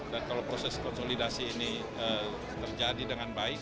dan kalau proses konsolidasi ini terjadi dengan baik